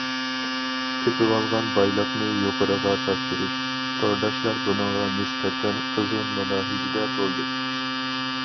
« تېپىۋالغان بايلىقنى يۇقىرىغا تاپشۇرۇش؟» تورداشلار بۇنىڭغا نىسبەتەن قىزغىن مۇلاھىزىدە بولدى.